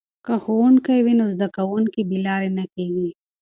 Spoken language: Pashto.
که ښوونکی وي نو زده کوونکي بې لارې نه کیږي.